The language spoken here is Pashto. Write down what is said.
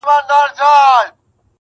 دوی به هم پر یوه بل سترګي را سرې کړي؛